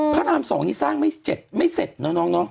พระราม๒นี่สร้างไม่เสร็จเนอะน้อง